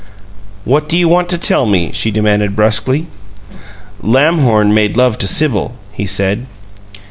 "What do you want to tell me?" she demanded, brusquely. "Lamhorn made love to Sibyl," he said.